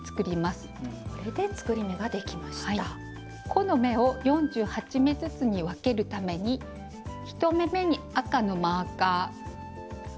この目を４８目ずつに分けるために１目めに赤のマーカー。